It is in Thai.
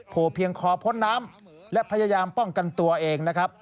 เพียงคอพ้นน้ำและพยายามป้องกันตัวเองนะครับ